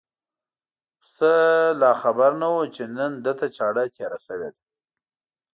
پسه لا خبر نه و چې نن ده ته چاړه تېره شوې ده.